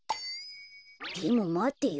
でもまてよ。